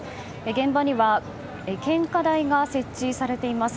現場には献花台が設置されています。